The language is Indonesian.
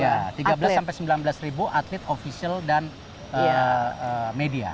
ya tiga belas sampai sembilan belas ribu atlet ofisial dan media